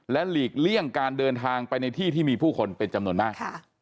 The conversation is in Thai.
หลีกเลี่ยงการเดินทางไปในที่ที่มีผู้คนเป็นจำนวนมาก